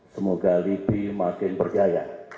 semoga libi makin berjaya